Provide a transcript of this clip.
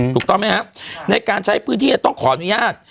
ถูกต้องไหมครับในการใช้พื้นที่จะต้องขออนุญาต